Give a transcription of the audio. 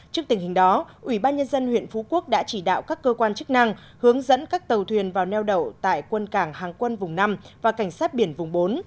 trước tình hình đó ủy ban nhân dân huyện phú quốc đã chỉ đạo các cơ quan chức năng hướng dẫn các tàu thuyền vào neo đậu tại quân cảng hàng quân vùng năm và cảnh sát biển vùng bốn